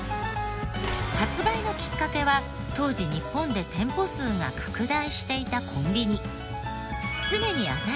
発売のきっかけは当時日本で店舗数が拡大していたコンビニ。